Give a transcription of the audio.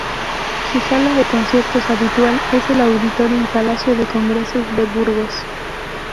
Su sala de conciertos habitual es el Auditorio y Palacio de Congresos de Burgos.